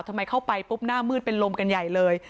ทำไมเข้าไปปุ๊บหน้ามืดเป็นลมกันใหญ่เลย